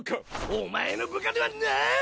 お前の部下ではない！